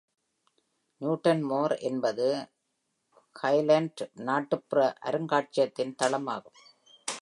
நியூட்டன்மோர் என்பது ஹைலேண்ட் நாட்டுப்புற அருங்காட்சியகத்தின் தளமாகும்.